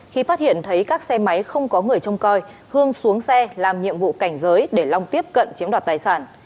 khi phát hiện thấy các xe máy không có người trông coi hương xuống xe làm nhiệm vụ cảnh giới để long tiếp cận chiếm đoạt tài sản